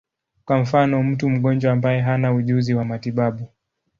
Kwa mfano, mtu mgonjwa ambaye hana ujuzi wa matibabu.